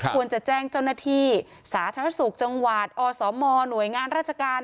ควรจะแจ้งเจ้าหน้าที่สาธารณสุขจังหวัดอสมหน่วยงานราชการ